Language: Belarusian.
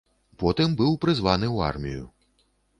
Потым быў прызваны ў армію.